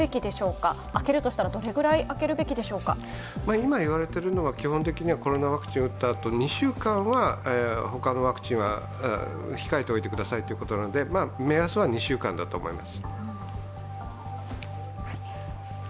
今言われているのは基本的にはコロナワクチンを打ったあと２週間は他のワクチンは控えておいてくださいってことなので目安は２週間だと思います。